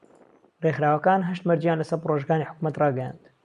ڕێکخراوەکان هەشت مەرجیان لەسەر پڕۆژەکانی حکومەت ڕاگەیاند: